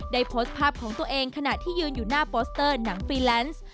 โพสต์ภาพของตัวเองขณะที่ยืนอยู่หน้าโปสเตอร์หนังฟีแลนซ์